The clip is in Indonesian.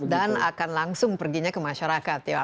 dan akan langsung perginya ke masyarakat ya